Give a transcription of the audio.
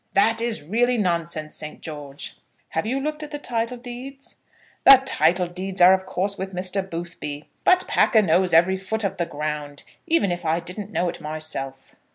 "That is really nonsense, Saint George." "Have you looked at the title deeds?" "The title deeds are of course with Mr. Boothby. But Packer knows every foot of the ground, even if I didn't know it myself."